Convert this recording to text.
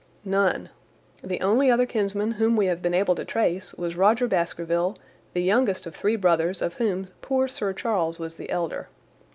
"None. The only other kinsman whom we have been able to trace was Rodger Baskerville, the youngest of three brothers of whom poor Sir Charles was the elder.